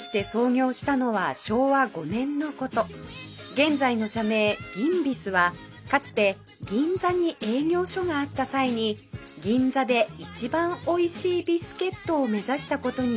現在の社名ギンビスはかつて銀座に営業所があった際に銀座で一番おいしいビスケットを目指した事に由来します